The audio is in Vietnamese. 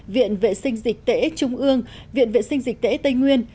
viện vệ sinh dịch tễ trung ương viện vệ sinh dịch tễ tây nguyên